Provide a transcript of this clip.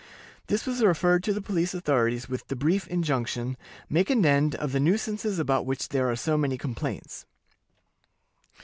This was referred to the police authorities with the brief injunction, "Make an end of the nuisances about which there are so many complaints."